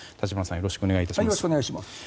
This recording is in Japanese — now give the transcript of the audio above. よろしくお願いします。